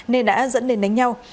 nên đã dẫn đến đánh nhau